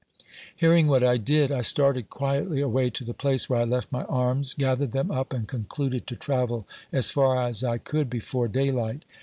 Hearing what I did, I started quietly away to the place where I left my arms, gath ered them up, and concluded to travel as far as I could bofbrc daylight.